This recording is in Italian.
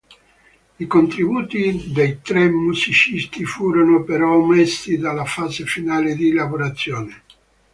I contributi dei tre musicisti furono però omessi dalla fase finale di lavorazione.